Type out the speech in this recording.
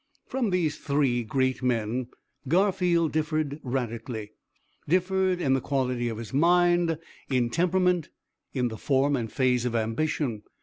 "From these three great men Garfield differed radically, differed in the quality of his mind, in temperament, in the form and phase of ambition.